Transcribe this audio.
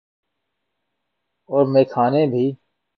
اورمیخانے بھی۔